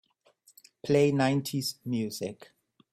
Play nineties music.